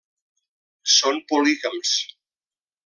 Són polígams.